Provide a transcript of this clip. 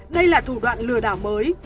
đây là thủ đoạn lừa đảo mới